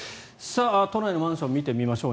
都内のマンションを見てみましょう。